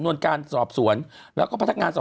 คุณหนุ่มกัญชัยได้เล่าใหญ่ใจความไปสักส่วนใหญ่แล้ว